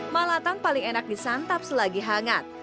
malatan paling enak disantap selagi hangat